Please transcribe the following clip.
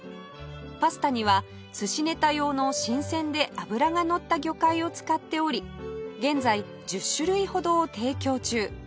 パスタには寿司ネタ用の新鮮で脂がのった魚介を使っており現在１０種類ほどを提供中